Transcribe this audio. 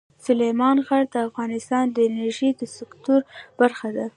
سلیمان غر د افغانستان د انرژۍ سکتور برخه ده.